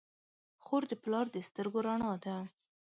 خور د پلار د سترګو رڼا ده.